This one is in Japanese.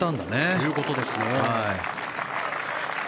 ということですね。